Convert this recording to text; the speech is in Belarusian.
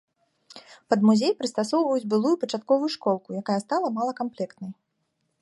Пад музей прыстасоўваюць былую пачатковую школку, якая стала малакамплектнай.